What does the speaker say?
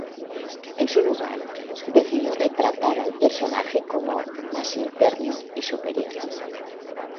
En su lugar, decidió retratar al personaje como "más interno y superior".